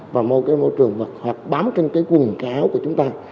và môi cái môi trường hoặc bám trên cái quần cái áo của chúng ta